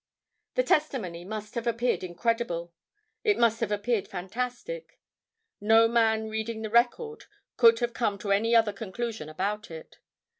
The testimony must have appeared incredible; it must have appeared fantastic. No man reading the record could have come to any other conclusion about it.